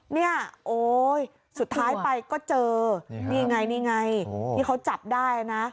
นี่สุดท้ายไปก็เจอนี่ไงเขาจับได้นะ